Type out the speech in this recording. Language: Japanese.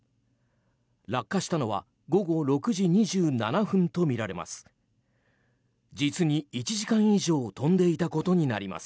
落下したのは午後６時２７分とみられます。